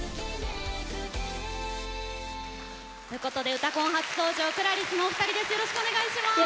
「うたコン」初登場ＣｌａｒｉＳのお二人です。